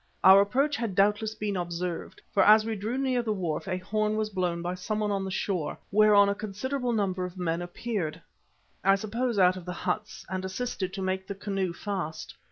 Our approach had doubtless been observed, for as we drew near the wharf a horn was blown by someone on the shore, whereon a considerable number of men appeared, I suppose, out of the huts, and assisted to make the canoe fast.